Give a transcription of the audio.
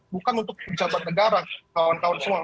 bukan untuk pejabat negara kawan kawan semua